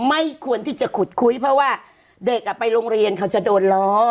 ไม่ควรที่จะขุดคุยเพราะว่าเด็กไปโรงเรียนเขาจะโดนล้อ